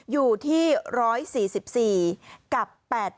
อยู่ที่๑๔๔กับ๘๘